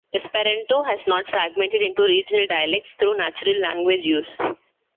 Esperanto has not fragmented into regional dialects through natural language use.